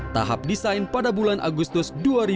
tahap desain pada bulan agustus dua ribu dua puluh